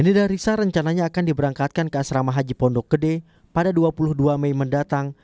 nidah risa rencananya akan diberangkatkan ke asrama haji pondok gede pada dua puluh dua mei mendatang